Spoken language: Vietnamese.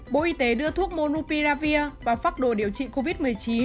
bộ y tế đưa thuốc monopiravir vào pháp đồ điều trị covid một mươi chín